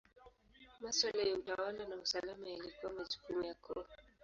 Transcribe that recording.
Maswala ya utawala na usalama yalikuwa majukumu ya koo.